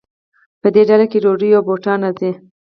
په دې ډله کې ډوډۍ او بوټان راځي.